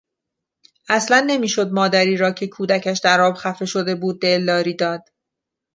اصلا نمیشد مادری را که کودکش در آب خفه شده بود دلداری داد.